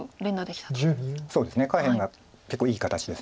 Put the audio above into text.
そうですね下辺が結構いい形です。